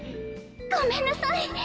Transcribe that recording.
「ごめんなさい」。